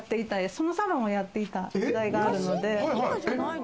そのサロンをやっていた時代があるので。